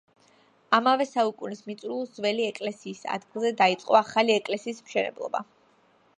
ამავე საუკუნის მიწურულს ძველი ეკლესიის ადგილზე დაიწყო ახალი ეკლესიის მშენებლობა.